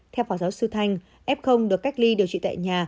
theo phó giáo sư thanh f được cách ly điều trị tại nhà